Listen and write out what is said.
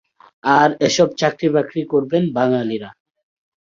আর এসব চাকরি-বাকরি করবেন বাঙালিরা।